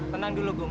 tenang dulu goum